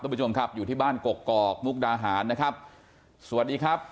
ผู้ชมครับอยู่ที่บ้านกกอกมุกดาหารนะครับสวัสดีครับ